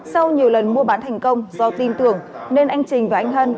sau nhiều lần mua bán thành công do tin tưởng nên anh trình và anh hân